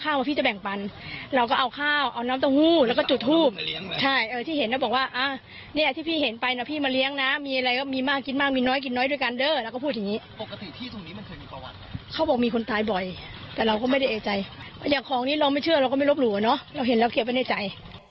ก็ไม่ลบหลู่นะเราเห็นแล้วเคลียร์ไม่แน่ใจ